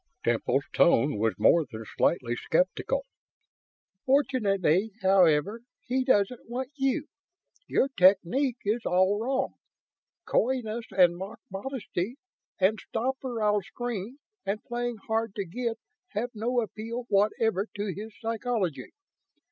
Temple's tone was more than slightly skeptical. "Fortunately, however, he doesn't want you. Your technique is all wrong. Coyness and mock modesty and stop or I'll scream and playing hard to get have no appeal whatever to his psychology.